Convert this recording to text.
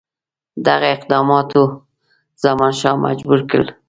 دغه اقداماتو زمانشاه مجبور کړ.